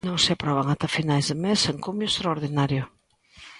Non se aproban ata finais deste mes, en cumio extraordinario.